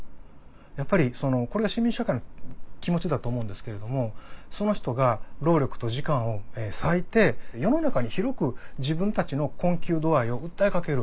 やっぱりこれは市民社会の気持ちだと思うんですけれどもその人が労力と時間を割いて世の中に広く自分たちの困窮度合いを訴えかける。